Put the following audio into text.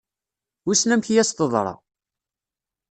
Wissen amek i as-teḍra?